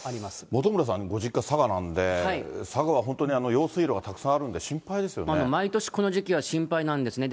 本村さん、ご実家、佐賀なんで、佐賀は本当に用水路がたくさんあるんで、毎年、この時期は心配なんですね。